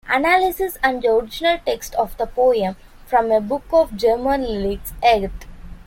Analysis and original text of the poem from "A Book of German Lyrics", ed.